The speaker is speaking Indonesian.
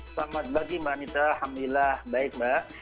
selamat pagi mbak anita alhamdulillah baik mbak